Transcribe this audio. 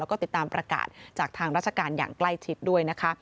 แล้วก็ติดตามประกาศจากทางราชการอย่างใกล้ชิดด้วยนะคะ